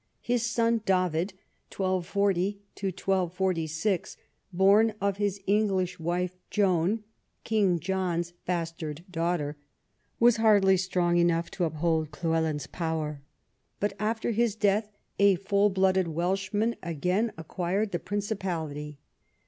His son David (1240 1246), born of his English wife Joan, King John's bastard daughter, was hardly strong enough to uphold Llywelyn's power. But after his death a full blooded Welshman again ac quired the Principality.